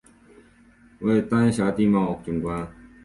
为丹霞地貌景观。